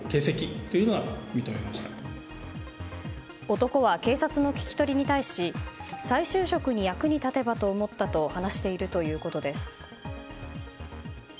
男は警察の聞き取りに対し再就職に役に立てばと思ったと話しているということです。